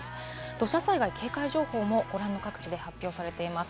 土砂災害警戒情報もご覧の各地で発表されています。